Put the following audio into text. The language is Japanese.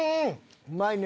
うまいね！